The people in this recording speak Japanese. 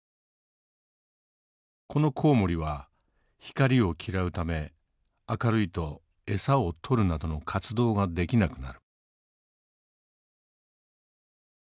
このコウモリは光を嫌うため明るいと餌を捕るなどの活動ができなくなる。